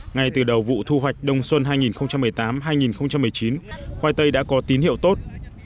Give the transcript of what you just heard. ngay từ đầu vụ thu hoạch đông xuân hai nghìn một mươi tám hai nghìn một mươi chín khoai tây đã có tín hiệu tốt